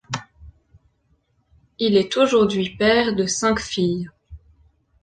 Il est aujourd'hui père de cinq filles.